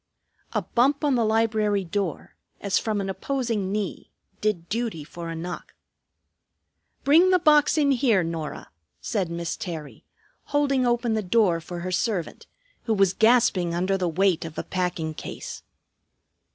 A bump on the library door, as from an opposing knee, did duty for a knock. "Bring the box in here, Norah," said Miss Terry, holding open the door for her servant, who was gasping under the weight of a packing case.